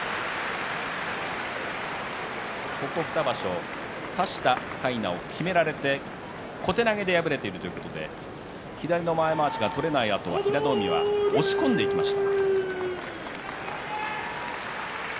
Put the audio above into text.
ここ２場所差したかいなをきめられて小手投げで敗れているということで左の前まわしが取れないあと平戸海を押し込んでいきました。